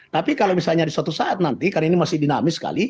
tapi kalau misalnya di suatu saat nanti karena ini masih dinamis sekali